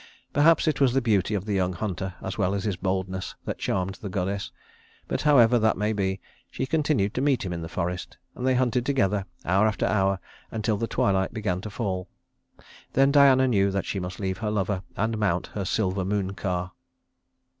Perhaps it was the beauty of the young hunter as well as his boldness that charmed the goddess; but however that may be, she continued to meet him in the forest, and they hunted together hour after hour until the twilight began to fall. Then Diana knew that she must leave her lover and mount her silver moon car.